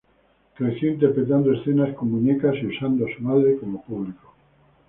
Creció interpretando escenas con muñecas, y usando a su madre como público.